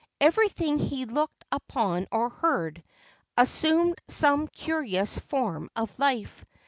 Everything he looked upon or heard assumed some curious form of life.